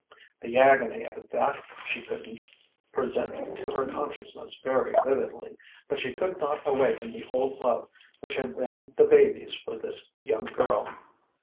The agony of that she could present to her consciousness very vividly, but she could not awaken the old love which had been the baby's for this young girl.